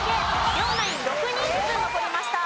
両ナイン６人ずつ残りました。